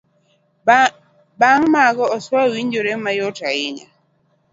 Buge mag oswayo winjore mayot ahinya.